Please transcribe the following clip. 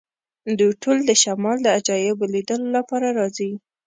دوی ټول د شمال د عجایبو لیدلو لپاره راځي